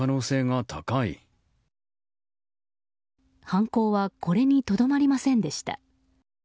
犯行はこれにとどまりませんでした。